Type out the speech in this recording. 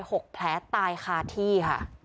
หกแผลตายคาที่ค่ะ